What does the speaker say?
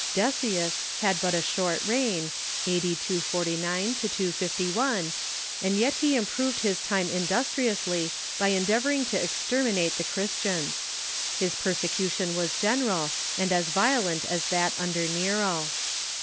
Decius had but a short reign (a.d. 249 251), and 3'et he improved his time industriously by endeavoring to ex terminate the Christians. His persecution was general, and as violent as that under Nero.